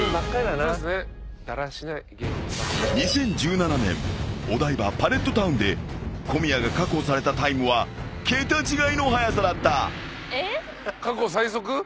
［２０１７年お台場パレットタウンで小宮が確保されたタイムは桁違いの早さだった］えっ？